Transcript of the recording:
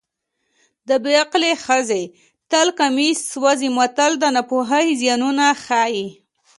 د بې عقلې ښځې تل کمیس سوځي متل د ناپوهۍ زیانونه ښيي